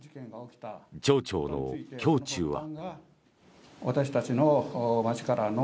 町長の胸中は。